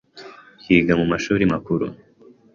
yiga mu mashuri makuru